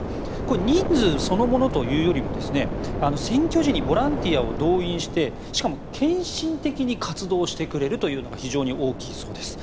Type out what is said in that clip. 人数そのものというよりも選挙時にボランティアを動員してしかも献身的に活動してくれるというのが非常に大きいそうです。